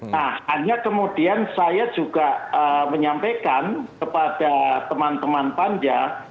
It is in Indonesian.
nah hanya kemudian saya juga menyampaikan kepada teman teman panja